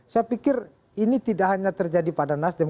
saya pikir ini tidak hanya terjadi pada nasdem